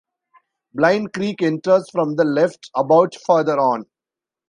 Blind Creek enters from the left about further on.